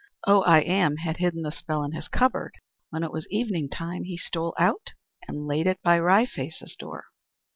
Oh I Am had hidden the spell in his cupboard. When it was evening time, he stole out and laid it by Wry Face's door.